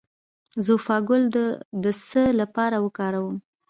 د زوفا ګل د څه لپاره وکاروم؟